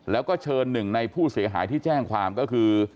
แล้วก็เชิญหนึ่งในผู้เสียหายที่แจ้งความก็คือ